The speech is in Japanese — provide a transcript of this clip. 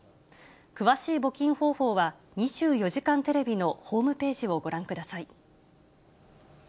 詳しい募金方法は、２４時間テレビのホームページをご覧ください。